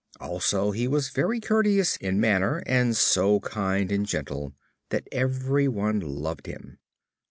Also he was very courteous in manner and so kind and gentle that everyone loved him.